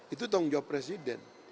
itu tanggung jawab presiden